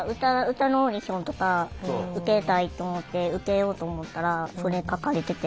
歌のオーディションとか受けたいと思って受けようと思ったらそれ書かれてて。